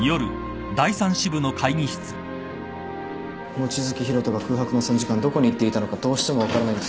望月博人が空白の３時間どこに行っていたのかどうしても分からないんです。